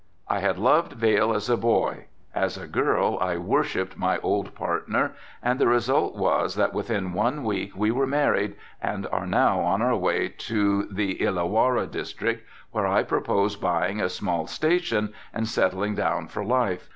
I had loved Vail as a boy, as a girl I worshipped my old partner and the result was that within one week we were married and are now on our way to the Illawarra district where I propose buying a small station and settling down for life.